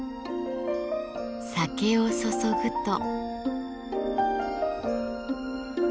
酒を注ぐと。